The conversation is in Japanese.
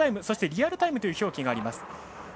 そして、リアルタイムという表記があります。